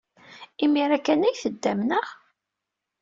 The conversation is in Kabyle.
Imir-a kan ay teddam, naɣ?